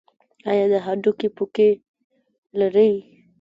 ایا د هډوکو پوکي لرئ؟